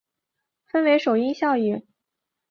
分为首因效应。